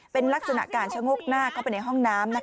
เป็นลักษณะการชะโงกหน้าเข้าไปในห้องน้ำ